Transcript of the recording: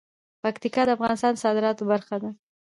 پکتیکا د افغانستان د صادراتو برخه ده.